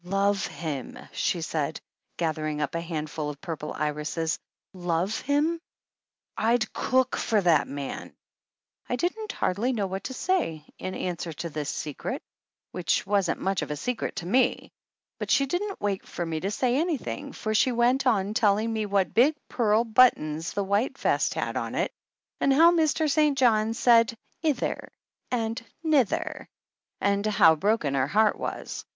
"Love him," she said, gathering up a hand ful of the purple irises, "love him? I'd cook for that man." I didn't hardly know what to say in answer to this secret, which wasn't much of a secret to me ; but she didn't wait for me to say anything for she went on telling me what big pearl buttons the white vest had on it and how Mr. St. John said "i ther and ni ther," and how broken her heart was.